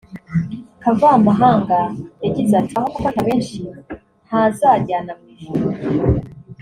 Kavamahanga yagize ati “Aho gufata benshi ntazajyana mu ijuru